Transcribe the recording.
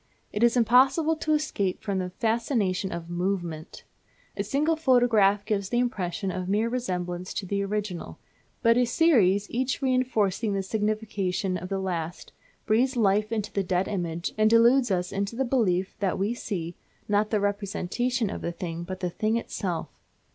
It is impossible to escape from the fascination of movement. A single photograph gives the impression of mere resemblance to the original; but a series, each reinforcing the signification of the last, breathes life into the dead image, and deludes us into the belief that we see, not the representation of a thing, but the thing itself.